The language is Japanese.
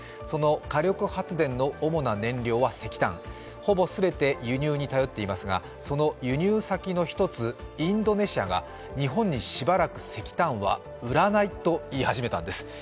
その火力発電の主な燃料は石炭ほぼ全て輸入に頼っていますがその輸入先の一つインドネシアが日本にしばらく石炭は売らないと言い始めたんです。